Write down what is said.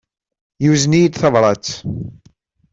Yuzen-iyi-d tabrat.